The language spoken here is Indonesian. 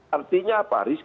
artinya apa risk